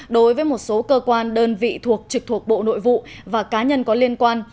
đối với một số cơ quan đơn vị thuộc trực thuộc bộ nội vụ và cá nhân có liên quan